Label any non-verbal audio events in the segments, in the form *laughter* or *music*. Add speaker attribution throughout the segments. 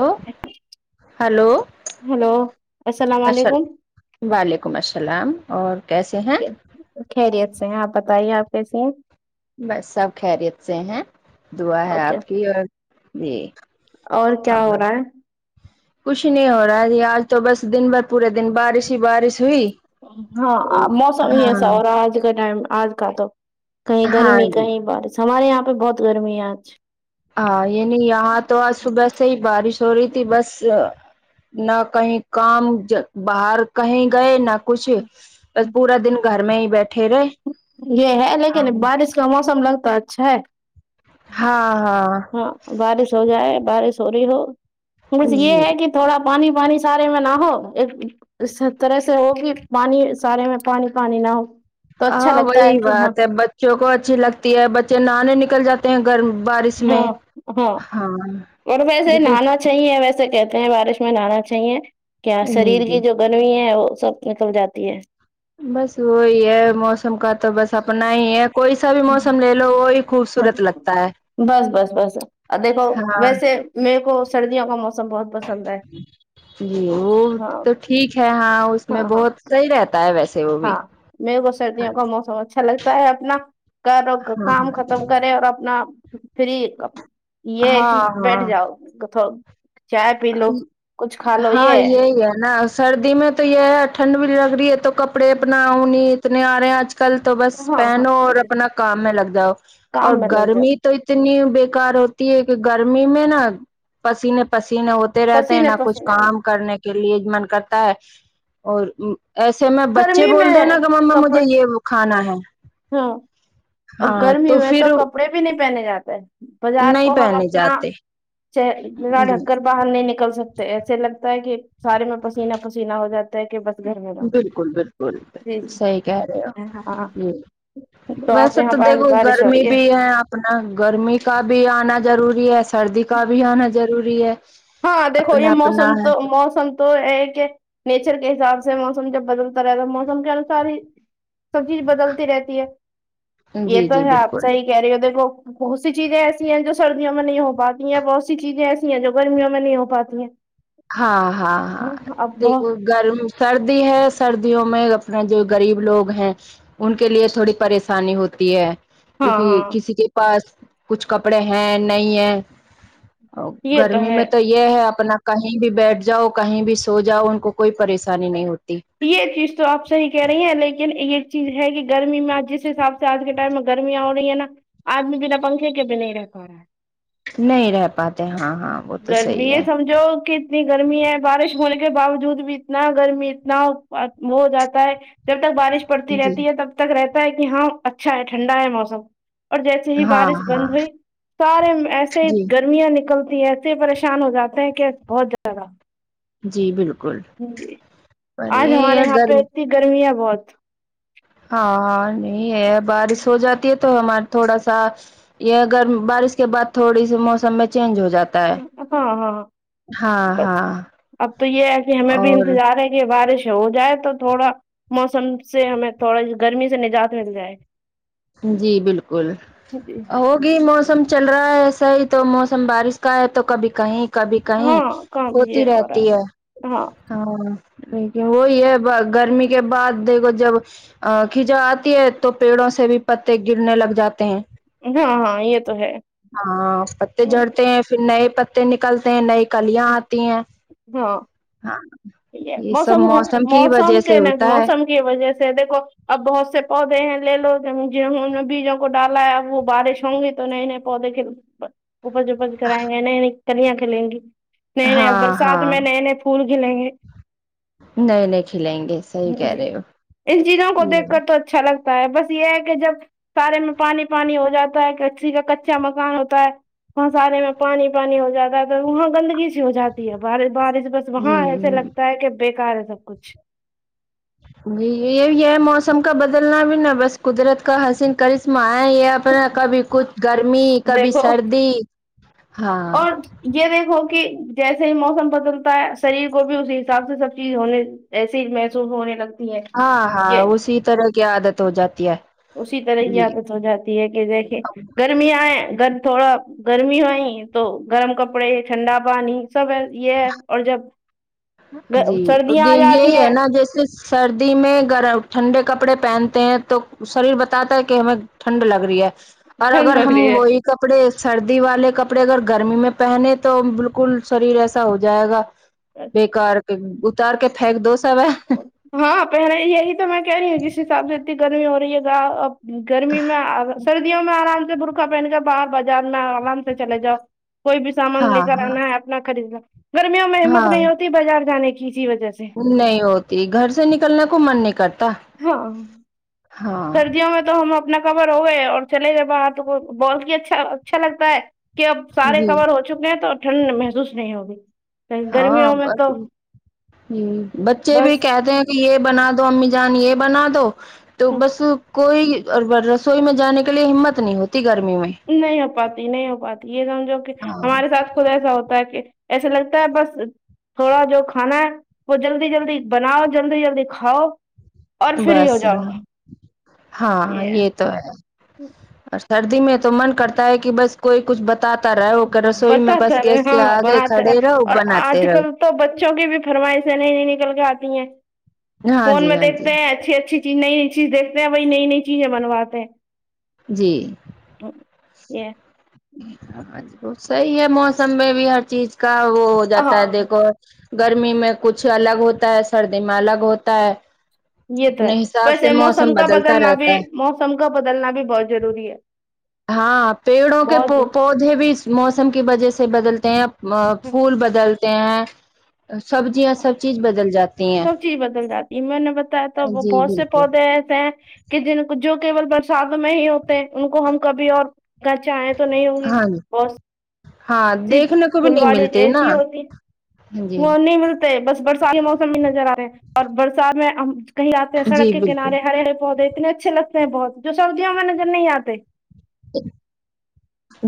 Speaker 1: hello hello
Speaker 2: hello السلام
Speaker 1: اسلا
Speaker 2: علیکم
Speaker 1: وعلیکم السلام اور کیسے ہیں
Speaker 2: خیریت سے ہیں آپ بتائیے آپ کیسی ہیں
Speaker 1: بس سب خیریت سے ہیں دعا ہے
Speaker 2: اوکے
Speaker 1: آپ کی اور جی
Speaker 2: اور کیا ہو رہا ہے
Speaker 1: کچھ نہیں ہو رہا جی آج تو بس دن بھر پورے دن بارش ہی بارش ہوئی
Speaker 2: ہاں
Speaker 1: تو
Speaker 2: موسم ہی ایسا
Speaker 1: ہاں
Speaker 2: ہو رہا آج کا ٹائم آج کا تو کہیں
Speaker 1: ہاں
Speaker 2: گرمی
Speaker 1: جی
Speaker 2: کہیں بارش ہمارے یہاں پہ بہت گرمی ہے آج
Speaker 1: ہاں یہ نہیں یہاں تو آج صبح سے ہی بارش ہو رہی تھی بس نہ کہیں کام جا باہر کہیں گئے نہ کچھ بس پورا دن گھر میں ہی بیٹھے رہے
Speaker 2: یہ ہے
Speaker 1: ہاں
Speaker 2: لیکن بارش کا موسم لگتا اچھا ہے
Speaker 1: ہاں ہاں
Speaker 2: بارش ہو جائے بارش ہو رہی ہو بس
Speaker 1: جی
Speaker 2: یہ ہے کہ تھوڑا پانی پانی سارے میں نہ ہو ایک اس طرح سے ہوگی پانی سارے میں پانی پانی نہ ہو تو اچھا لگتا ہے
Speaker 1: یہی
Speaker 2: کہ ہاں
Speaker 1: بات ہے بچوں کو اچھی لگتی ہے بچے نہانے نکل جاتے گرم بارش
Speaker 2: ہاں
Speaker 1: میں ہاں
Speaker 2: اور ویسے
Speaker 1: لیکن
Speaker 2: نہانا چاہیے ویسے کہتے ہیں بارش میں نہانا چاہیے کیا
Speaker 1: جی
Speaker 2: شریر
Speaker 1: جی
Speaker 2: کی جو گرمی ہے وہ سب نکل جاتی ہے
Speaker 1: بس وہی ہے موسم کا تو بس اپنا ہی ہے کوئی سا بھی موسم لے لو وہی خوبصورت لگتا ہے
Speaker 2: بس بس بس دیکھو
Speaker 1: ہاں
Speaker 2: ویسے میرے کو سردیوں کا موسم بہت پسند ہے
Speaker 1: یہ وہ
Speaker 2: ہاں
Speaker 1: تو ٹھیک ہے ہاں اس میں بہت صحیح رہتا ہے ویسے وہ بھی
Speaker 2: ہاں میرے کوو
Speaker 1: ہاں
Speaker 2: سردیوں کا موسم اچھا لگتا ہے اپنا کر کام ختم کرے اور اپنا فری یہ ہے
Speaker 1: ہاں
Speaker 2: کہ بیٹھ
Speaker 1: ہاں
Speaker 2: جاؤ کت
Speaker 1: ہاں
Speaker 2: یہ
Speaker 1: یہی ہے نا سردی میں تو یہ ہے ٹھنڈ بھی لگ رہی ہے تو کپڑے اپناؤنی اتنے آ رہے کل تو بس
Speaker 2: ہاں ہاں
Speaker 1: پہنو اور اپنا کام میں لگ جاؤ اور
Speaker 2: کام میں لگ جاؤ
Speaker 1: گرمی تو اتنی بیکار ہوتی ہے کہ گرمی میں نا پسینے پسینے ہوتے رہتے ہیں
Speaker 2: پسینے
Speaker 1: نہ کچھ
Speaker 2: پسینے
Speaker 1: کام کرنے کے لیے من کرتا ہے اور ایسے میں بچے
Speaker 2: گرمی
Speaker 1: بول
Speaker 2: میں
Speaker 1: دے نا کہ مما
Speaker 2: کپڑے
Speaker 1: مجھے یہ کھانا ہے
Speaker 2: ہاں اب
Speaker 1: ہاں
Speaker 2: گرمی میں تو
Speaker 1: پھر
Speaker 2: کپڑے بھی نہیں پہنے جاتے ہیں بازار
Speaker 1: نہیں
Speaker 2: کو ہم
Speaker 1: پہنے
Speaker 2: اپنا
Speaker 1: جاتے
Speaker 2: چہرہ پورا
Speaker 1: جی
Speaker 2: ڈھکر باہر نہیں نکل سکتے ایسے لگتا ہے کہ سارے میں پسیینہ پسیینہ ہو جاتا کہ بس گھر میں رہو
Speaker 1: بالکل بالکل
Speaker 2: جی جی
Speaker 1: صحیح کہہ رہے ہو
Speaker 2: ہاں
Speaker 1: جی
Speaker 2: آپ کے
Speaker 1: ویسے تو
Speaker 2: یہاں پاس
Speaker 1: دیکھو
Speaker 2: بارش ہو
Speaker 1: گرمی
Speaker 2: رہی
Speaker 1: بھی ہے آپ اپنا گرمی کا بھی آنا ضروری ہے سردی کا بھی آنا ضروری ہے
Speaker 2: ہاں دیکھو یہ
Speaker 1: اپنا اپنا
Speaker 2: موسم تو موسم تو یہ کہ نیچر کے حساب سے موسم جب بدلتا رہےتا تو موسم کے انوسار ہی سب چیز بدلتی رہتی ہے
Speaker 1: ہے
Speaker 2: یہ
Speaker 1: جی
Speaker 2: تو
Speaker 1: جی
Speaker 2: ہے آپ
Speaker 1: بالکل
Speaker 2: صحیح کہہ رہی ہو دیکھو بہت سی چیزیں ایسی ہیں جو سردیوں میں نہیں ہو پاتی ہیں بہت سی چیزیں ایسی ہیں جو گرمیوں میں نہیں ہو پاتی ہیں
Speaker 1: ہاں ہاں ہاں
Speaker 2: اب بہت
Speaker 1: دیکھو گرم سردی ہے سردیوں میں اپنا جو غریب لوگ ہیں ان کے لیے تھوڑی پریشانی ہوتی ہے
Speaker 2: ہاں
Speaker 1: کیونکہ
Speaker 2: ہاں
Speaker 1: کسی کے پاس کچھ کپڑے ہیں نہیں ہے
Speaker 2: یہ
Speaker 1: گرمی
Speaker 2: ہے
Speaker 1: میں تو یہ ہے اپنا کہیں بھی بیٹھ جاؤ کہیں بھی سو جاؤ ان کو کوئی پریشانی نہیں ہوتی
Speaker 2: یہ چیز تو آپ صحیح کہہ رہی ہیں لیکن یہ چیز ہے کہ گرمی میں آج جس حساب آج کے ٹائم میں گرمیاں ہو رہی ہے نا آدمی بنا پنکھے کے بھی نہیں رہ پا رہا ہے
Speaker 1: نہیں رہ پاتے ہاں ہاں وہ تو صحیح ہے
Speaker 2: جو کہ اتنی گرمی ہے بارش ہونے کے باوجود بھی اتنا گرمی اتنا وہ ہو جاتا ہے جب تک بارش پڑتی
Speaker 1: جی
Speaker 2: رہتی ہے تب تک رہتا ہے کہ ہاں اچھا ہے ٹھنڈا ہے موسم اور جیسے ہی
Speaker 1: ہاں
Speaker 2: بارش
Speaker 1: ہاں
Speaker 2: بند ہوئی سارے ایسے
Speaker 1: جی
Speaker 2: گرمیاں نکلتی ہیں پھر پریشان ہو جاتے ہیں کیی بہت زیادہ
Speaker 1: جی بالکل پر
Speaker 2: آج
Speaker 1: یہی
Speaker 2: ہمارے
Speaker 1: ہے
Speaker 2: یہاں پہ
Speaker 1: گرم
Speaker 2: اتنی گرم ہے بہت
Speaker 1: ہاں ہاں نہیں ہے بارش ہو جاتی ہے تو تو ہمارے تھوڑا سا یہگر بارش کے بعد تھوڑی سی موسم میں چینج ہو جاتا ہے
Speaker 2: ہاں ہاں
Speaker 1: ہاں
Speaker 2: بس
Speaker 1: ہاں
Speaker 2: اب تو یہ ہے کہ ہمیں بھی
Speaker 1: اور
Speaker 2: انتظار ہے کے بارش ہو جائے تو تھوڑا موسم سے ہمیں تھوڑا گرمی سے نجات مل جائے
Speaker 1: جی بالکل
Speaker 2: جی
Speaker 1: ہوگی موسم چل رہا ہے ایسا ہی تو موسم بارش کا ہے تو کبھی کہیں کبھی کہیں
Speaker 2: ہاں کہاں بھی
Speaker 1: ہوتی
Speaker 2: یہ ہو رہا
Speaker 1: رہتی ہے
Speaker 2: ہاں
Speaker 1: ہاں لیکن وہی ہے گرمی کے بعد دیکھو جب ا خزاں آتی ہے تو پیڑوں سے بھی پتے گرنے لگ جاتے ہیں
Speaker 2: ہاں ہاں یہ تو ہے
Speaker 1: ہاں پتے
Speaker 2: ہ
Speaker 1: جڑتے ہیں پھر نئے پتے نکلتے ہیں نئی کلیاں آتی ہیں
Speaker 2: ہاں
Speaker 1: ہاں یہ سب
Speaker 2: ہے،
Speaker 1: موسم کی وجہ سے
Speaker 2: کے نا
Speaker 1: ہوتا ہے
Speaker 2: موسم کی وجہ سے دیکھو اب بہت سے پودے ہیں لے لو جنہوں نے بیجوں کو ڈالا ہے اب وہ بارش ہوں گی تو نئے نئے پودے ک اپج اپج کرآئیں گے نئی نئی کلیاں کھلیں گی نئے نئے اب
Speaker 1: ہاں
Speaker 2: برسات
Speaker 1: ہاں
Speaker 2: میں نئے نئے پھول کھلیں گے
Speaker 1: نئے نئے کھلیں گے صحیح کہہ
Speaker 2: جی
Speaker 1: رہے ہو
Speaker 2: ان چیزوں کو دیکھ کر
Speaker 1: جی
Speaker 2: تو اچھا لگتا ہے بس یہ ہے کہ جب سارے میں پانی پانی ہو جاتا ہے کچی کا کچا مکان ہوتا ہے سارے میں پانی پانی ہو جاتا ہے تو وہاں گندگی سی ہو جاتی ہے بارش بارش وہاں ایسے
Speaker 1: جی
Speaker 2: لگتا ہے کہ بےکار ہے سب کچھ
Speaker 1: یہ یہ ہے موسم کا بدلنا بھی نا بس قدرت کا حسین کرشمہ ہے یہ اپنا کبھی کچھ گرمی کبھی
Speaker 2: دیکھو
Speaker 1: سردی ہاں
Speaker 2: اور یہ دیکھو کہ جیسے ہی موسم بدلتا ہے شریر کو بھی اسی حساب سے سب چیز ہونے ایسی ہی محسوس ہونے لگ
Speaker 1: ہاں ہاں اسی طرح کی عادت ہو جاتی ہے
Speaker 2: اسی طرح کی
Speaker 1: جی
Speaker 2: عادت ہو جاتی ہے کہ دیکھے گرمی ہے گھر تھوڑا گرمی ہوئی تو گرم کپڑے ٹھنڈا پانی سب ہے یہ ہے اور جب
Speaker 1: جی
Speaker 2: سردیاں آ
Speaker 1: یہی
Speaker 2: جاتی
Speaker 1: ہے
Speaker 2: ہیں
Speaker 1: نا جیسے سردی میں گرم ٹھنڈے کپڑے پہنتے ہیں تو شریر بتاتا ہے کہ ہمیں ٹھنڈ لگ رہی ہے اور
Speaker 2: ٹھنڈ
Speaker 1: اگر
Speaker 2: لگ
Speaker 1: ہم
Speaker 2: رہی ہے
Speaker 1: وہی کپڑے سردی والے کپڑے اگر گرمی میں پہنے تو بالکل شریر ایسا ہو جائے گا کار کے اتار کے پھینک دو سب
Speaker 2: ہاں پہلے یہی تو میں کہہ رہی ہوں جس حساب سے اتنی گرمی ہو رہی ہے گا اب گرمی میں سردیوں میں آرام سے برقہ پہن کے باہر بازار میں آرام سے چلے جاؤ کوئی بھی سامان
Speaker 1: ہاں
Speaker 2: لے کر
Speaker 1: ہاں
Speaker 2: آنا ہے اپنا خریدنا گرمیوں میں ہمت
Speaker 1: ہاں
Speaker 2: نہیں ہوتی بازار جانے کی اسی وجہ سے
Speaker 1: نہیں ہوتی گھر سے نکلنے کو من نہیں کرتا
Speaker 2: ہاں
Speaker 1: ہاں
Speaker 2: سردیوں میں تو ہم اپنا کمبل اڑے اور چلے گئے باہر تو بہت ہی اچھا اچھا لگتا ہے کہ اب سارے
Speaker 1: جی
Speaker 2: کور ہو چکے ہیں تو ٹھنڈ محسوس نہیں ہوگی
Speaker 1: ہاں
Speaker 2: گرمیوں میں
Speaker 1: بس
Speaker 2: تو
Speaker 1: ہمم بچے بھی
Speaker 2: بس
Speaker 1: کہتے ہیں یہ بنا دو امی جان یہ بنا دو تو بس کوئی رسوئی میں جانے کے لیے ہمت نہیں ہوتی گرمی میں
Speaker 2: نہیں ہو پاتی نہیں ہو پاتی یہ سمجھو کہ ہمارے
Speaker 1: ہاں
Speaker 2: ساتھ خود ایسا ہوتا ہے کہ ایسا لگتا ہے بس تھوڑا جو کھانا ہے وہ جلدی جلدی بناؤ جلدی جلدی کھاؤ اور فری
Speaker 1: بس
Speaker 2: ہو جاؤ
Speaker 1: ہاں یہ تو اور سردی میں تو من کرتا ہے کہ بس کوئی کچھ بتا تا رہےکہ رسوئی میں بس
Speaker 2: بتاتا رہے
Speaker 1: گیس کے
Speaker 2: ہاں
Speaker 1: آگے
Speaker 2: بناتا
Speaker 1: کھڑے
Speaker 2: رہے
Speaker 1: رہو
Speaker 2: اور
Speaker 1: بناتے
Speaker 2: آج
Speaker 1: رہو
Speaker 2: کل تو بچوں کی بھی فرمائشیں نئی نئی نکل کے آتی ہیں
Speaker 1: ہاں
Speaker 2: فون میں
Speaker 1: جی ہاں جی
Speaker 2: دیکھتے ہیں اچھی اچھی جی نئی نئی چیز دیکھتے ہیں وہی نئی نئی چیزیں بنواتے ہیں
Speaker 1: جی
Speaker 2: یہ
Speaker 1: صحی ہے موسم میں بھی ہر چیز کا وہ ہو جاتا ہے
Speaker 2: ہاں
Speaker 1: دیکھو گرمی میں کچھ الگ ہوتا ہے سردی میں الگ ہوتا ہے
Speaker 2: یہ تو
Speaker 1: اپنے
Speaker 2: ہے
Speaker 1: حساب سے
Speaker 2: ویسے
Speaker 1: موسم
Speaker 2: کا
Speaker 1: بدلتا
Speaker 2: بدلنا بھی
Speaker 1: رہتا ہے
Speaker 2: موسم کا بدلنا بھی بہت ضروری ہے
Speaker 1: ہاں پیڑوں کے پو
Speaker 2: بہت
Speaker 1: پودے بھی موسم کی وجہ سے بدلتے ہیں با پھول بدلتے ہیں سبزیاں سب چیز بدل جاتی ہیں
Speaker 2: سب چیز بدل جاتی ہے میں نے بتایا تو
Speaker 1: جی
Speaker 2: بہت سے
Speaker 1: بالکل
Speaker 2: پودے ایسے ہیں کہ جن کو جو کیول برسات میں ہی ہوتے ہیں ان کو ہم کبھی اور اگر چاہے تو نہیں ہوں گی
Speaker 1: ہاں جی ہاں دیکھنے کو بھی نہیں
Speaker 2: پھلواڑے
Speaker 1: ملتے نا
Speaker 2: ایسی ہوتی
Speaker 1: جی
Speaker 2: وہ نہیں ملتی بس برسات کے موسم بھی نظر آ رہے ہیں اور برسات میں ہم کہیں آتے ہیں سڑک
Speaker 1: جی
Speaker 2: کے کنارے
Speaker 1: بالکل
Speaker 2: ہرے ہرے پودے اتنے اچھے لگتے ہیں بہت جو سردیوں میں نظر نہیں آتے
Speaker 1: ا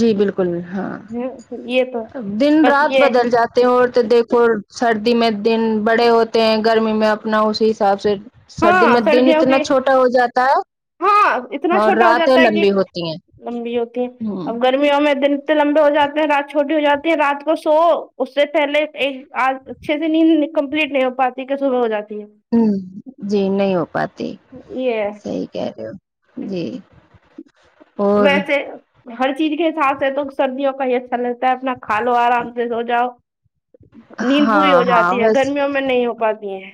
Speaker 1: جی بالکل بل ہاں
Speaker 2: ہ یہ تو
Speaker 1: دن
Speaker 2: بس
Speaker 1: رات
Speaker 2: یہ
Speaker 1: بدل جاتا تے اور تو دیکھو سردی میں دن بڑے ہوتے ہیں گرمی میں اپنا اس حساب سے سردی
Speaker 2: ہاں
Speaker 1: میں دن
Speaker 2: سردیوں
Speaker 1: اتنا
Speaker 2: کی
Speaker 1: چھوٹا ہو جاتا ہے
Speaker 2: ہاں اتنا
Speaker 1: اور
Speaker 2: چھوٹا ہو
Speaker 1: راتیں
Speaker 2: جاتا ہے کہ
Speaker 1: لمبی ہوتی ہیں
Speaker 2: لمبی ہوتی ہیں
Speaker 1: ہ
Speaker 2: اب گرمیوں میں دن لمبے ہو جاتے ہیں رات چھوٹی ہو جاتی ہے رات کو سو اس سے پہلے ایک آ چھ سے نیند کمپلیٹ نہیں ہو پاتی کہ صبح ہو جاتی ہے
Speaker 1: ہوں جی نہیں ہو پاتی
Speaker 2: یہ ہے
Speaker 1: صحی کہ رہی ھو جی اور
Speaker 2: ویسے ہر چیز کے حساب سے تو سردیوں کا ہی اچھا لگتا ہے اپنا کھا لو آرام سے سو جاؤ نیند پوری ہو
Speaker 1: ہاں ہاں
Speaker 2: جاتی ہے
Speaker 1: بس
Speaker 2: گرمیوں میں نہیں ہو پاتی ہیں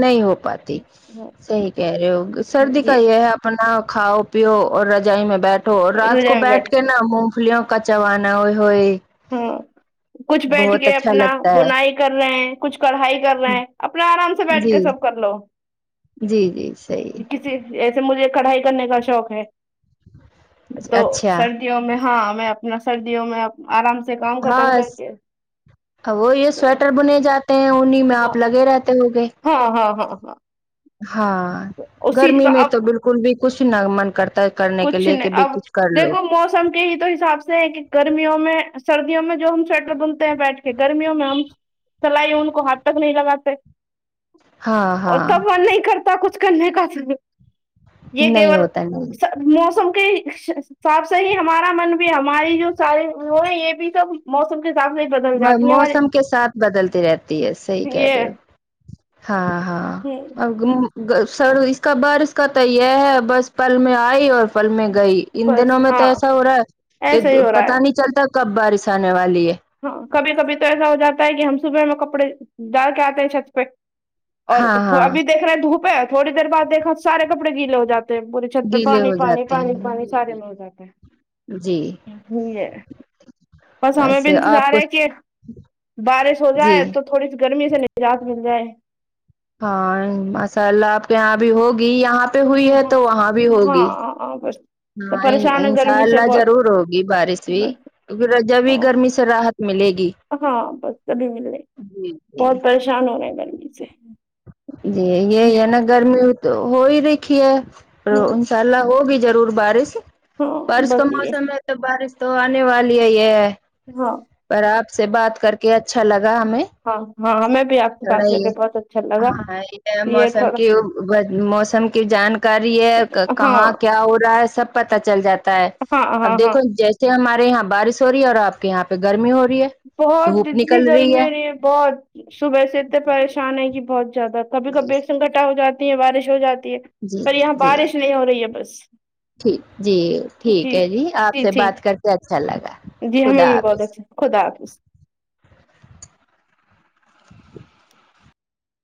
Speaker 1: نہیں ہو پاتی صحیح کہہ رہے ہو سردی کا
Speaker 2: یہ
Speaker 1: یے ہے اب اپنا کھاؤ پیو اور رجائی میں بیٹھو اور رات
Speaker 2: روزے
Speaker 1: کو
Speaker 2: میں
Speaker 1: بیٹھ کے نا نا موم فلیوں کا چوانا اوے ہوئے
Speaker 2: ہمم کچھ بیٹھ
Speaker 1: بہت
Speaker 2: کے
Speaker 1: اچھا
Speaker 2: اپنا
Speaker 1: لگتا ہے
Speaker 2: بونائ کر رہے ہیں کچھ کڑھائی کر رہے ہیں اپنا آرام سے بیٹھ
Speaker 1: جی
Speaker 2: کے سب کر لو
Speaker 1: جی جی صحیح
Speaker 2: کسی ایسے مجھے کڑھائی کرنے کا شوق ہے تو
Speaker 1: اچھا
Speaker 2: سرد دیوں میں ہاں میں اپنا سردیوں میں آرام سے کام ختم کر کے
Speaker 1: ہاں وہ یے سویٹر بنے جات ٹے انہیی میں
Speaker 2: ہاں
Speaker 1: آپ لگے رہتے ہو گے
Speaker 2: ہاں ہاں ہاں ہاں
Speaker 1: ہاں
Speaker 2: اس چیز
Speaker 1: گرمی
Speaker 2: کا
Speaker 1: میں تو
Speaker 2: اب
Speaker 1: بالکل بھی کچھ نا من کرتا کرنے کے
Speaker 2: کچھ
Speaker 1: لیے
Speaker 2: نہیں
Speaker 1: کہ بھائی
Speaker 2: اب
Speaker 1: کچھ کر لو
Speaker 2: دیکھو موسم تہی تو حساب سے ہے کی گرمیوں میں سردیوں میں جو ہم سویٹر بھنتے ہیں بیٹھ کے گرمیوں میں ہم سلائی ان کو ہاتھ تک نہیں لگاتے
Speaker 1: ہاں
Speaker 2: اور
Speaker 1: ہاں
Speaker 2: تب من نہیں کرتا کچھ کرنے کا س یے
Speaker 1: نہیں
Speaker 2: کول
Speaker 1: ہوتا نہیں
Speaker 2: موسم کے حساب سے ہی ہمارا من بھی ہماری جو ساری وہ ہے یے بھی سب موسم کے حساب سے ہی بدل
Speaker 1: با
Speaker 2: جاتی ہے ہمارے
Speaker 1: موسم کے ساتھ بدلتی رہتی ہے صحیح کہہ رہے
Speaker 2: یہ
Speaker 1: ہو ہاں ہاں آ گمو گم گا سڑو اس کا بارش کا تو یے ہے بس پل میں آئی اور پل میں گئی ان دنوں
Speaker 2: بس
Speaker 1: میں تو
Speaker 2: ہاں
Speaker 1: ایسا ہو رہا ہے کہ
Speaker 2: ایسا ہی ہو رہا ہے
Speaker 1: پتا نہیں چلتا کب بارش آنے والی ہے
Speaker 2: ہاں کبھی کبھی تو ایسا ہو جاتا ہے کہ ہم صبح میں کپڑے ڈال کے آتے ہیں چھت پے اور
Speaker 1: ہاں ہاں
Speaker 2: ابھی دیکھ رہے ہیں دھوپ ہے تھوڑی دیر بعد دیکھا سارے کپڑے گیلے ہو جاتے ہیں بری چھت پے
Speaker 1: گیلے
Speaker 2: پانی
Speaker 1: ہو
Speaker 2: پانی
Speaker 1: جاتے
Speaker 2: پانی پانی
Speaker 1: ہیں
Speaker 2: سارے میں
Speaker 1: جی
Speaker 2: *unintelligible* بس ہمیں بھی
Speaker 1: ویسے آپ
Speaker 2: انتظار
Speaker 1: کو
Speaker 2: ہے کہ بارش ہو
Speaker 1: جی
Speaker 2: جائے تو تھوڑی سی گرمی سے نجات مل جائے
Speaker 1: ہاں ماشاء اللہ آپ کے یہاں بھی ہوگی یہاں پے ہوئی ہے تو وہاں بھی ہوگی
Speaker 2: ہاں بس تو
Speaker 1: ہاں
Speaker 2: پریشان ہے
Speaker 1: انشاء
Speaker 2: گرمی سے
Speaker 1: اللہ
Speaker 2: بہت
Speaker 1: ضرور ہوگی بارش بھی
Speaker 2: بس
Speaker 1: پھر جبی گرمی سے راحت ملے گی
Speaker 2: ہاں بس تبھی ملیگی
Speaker 1: جی جی
Speaker 2: بہت پریشان ہو رہے ہیں گرمی سے
Speaker 1: جی یہی ہے نا گرمی تو ہو ہی رکھی ہے آ
Speaker 2: ہاں
Speaker 1: انشاء اللہ ہوگی ضرور بارش
Speaker 2: ہاں
Speaker 1: بارش کا
Speaker 2: بس
Speaker 1: موسم
Speaker 2: یہ
Speaker 1: ہے بارش تو آنے والی ہے یے
Speaker 2: ہاں
Speaker 1: پر آپ سے بات کر کے اچھا لگا ہمیں
Speaker 2: ہاں ہاں ہمیں بھی آپ سے بات
Speaker 1: تھوڑا
Speaker 2: کر
Speaker 1: یہ
Speaker 2: کے بہت اچھا لگا
Speaker 1: ہاں یہ موسم کی موسم کی جانکاری ہے
Speaker 2: ہاں
Speaker 1: کہاں کیا ہو رہا ہے سب پتا چل جاتا ہے
Speaker 2: ہاں ہاں
Speaker 1: اب
Speaker 2: ہاں
Speaker 1: دیکھو جیسے ہمارے یہاں بارش ہو رہی ہے اور آپ کے یہاں پے گرمی ہو رہی ہے
Speaker 2: بہت جتنی گرمی ہو رہی ہے بہت صبح سے اتنے پریشان ہے کی بہت جیادہ کبھی کبھی سنکٹا ہو جاتی ہے بارش ہو جاتی ہے
Speaker 1: جی جی
Speaker 2: پر یہاں
Speaker 1: جی
Speaker 2: بارش نہیں ہو رہی ہے بس
Speaker 1: جی ٹھیک ہے جی آپ سے بات کرتے اچھا لگا
Speaker 2: جی ہمیں
Speaker 1: خدا
Speaker 2: بھی بہت
Speaker 1: حافظ
Speaker 2: اچھا خدا حافظ